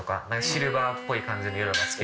シルバーっぽい感じ